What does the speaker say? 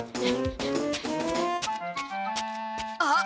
あっ。